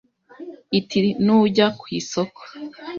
iti Nujya ku isoko